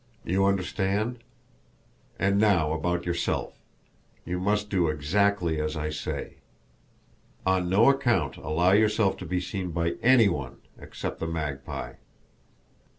You understand? And now about yourself you must do exactly as I say. On no account allow yourself to be seen by ANY ONE except the Magpie.